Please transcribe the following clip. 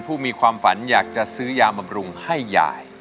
ผู้มีความฝันอยากจะซื้อยาบำรุงให้ยาย